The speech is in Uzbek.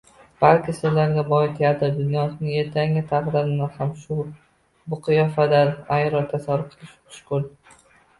balki sirlarga boy teatr dunyosining ertangi taqdirini ham bu qiyofadan ayro tasavvur qilish mushkul.